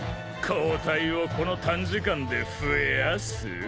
抗体をこの短時間で増やす？